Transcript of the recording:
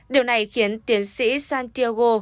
điều này khiến tiến sĩ santiago